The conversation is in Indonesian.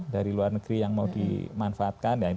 dari luar negeri yang mau dimanfaatkan